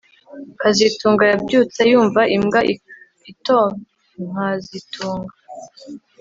kazitunga yabyutse yumva imbwa itonkazitungaa